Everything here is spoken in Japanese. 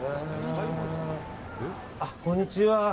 こんにちは。